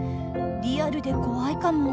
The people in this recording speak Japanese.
リアルでこわいかも。